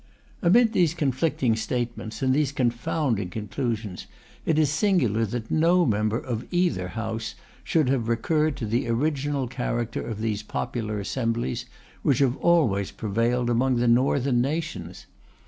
Amid these conflicting statements, and these confounding conclusions, it is singular that no member of either House should have recurred to the original character of these popular assemblies, which have always prevailed among the northern nations.